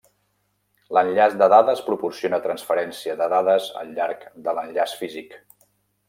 L'enllaç de dades proporciona transferència de dades al llarg de l'enllaç físic.